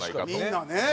みんなね。